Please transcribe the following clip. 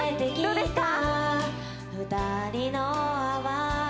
どうですか？